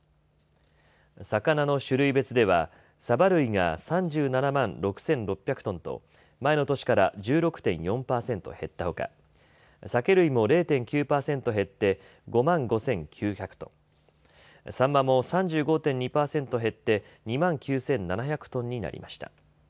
魚の種類別ではサバ類が３７万６６００トンと前の年から１６．４％減ったほか、サケ類も０．９％減って５万５９００トン、サンマも３５．２％減って２万９７００トンになりました。